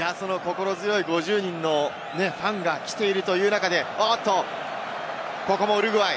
心強い５０人のファンが来ているという中で、おっと、ここもウルグアイ。